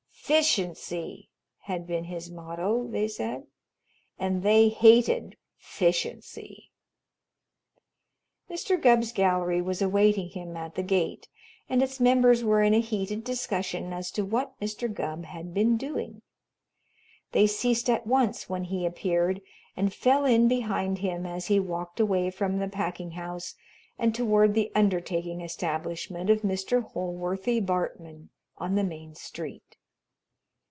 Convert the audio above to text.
"'Ficiency" had been his motto, they said, and they hated "'Ficiency." Mr. Gubb's gallery was awaiting him at the gate, and its members were in a heated discussion as to what Mr. Gubb had been doing. They ceased at once when he appeared and fell in behind him as he walked away from the packing house and toward the undertaking establishment of Mr. Holworthy Bartman, on the main street.